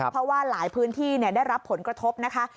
เพราะว่าหลายพื้นที่ได้รับผลกระทบนะคะ